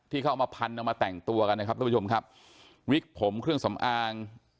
เข้ามาพันเอามาแต่งตัวกันนะครับทุกผู้ชมครับวิกผมเครื่องสำอาง